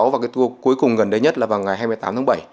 và cái tour cuối cùng gần đây nhất là vào ngày hai mươi tám tháng bảy